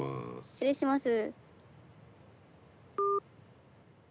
失礼します。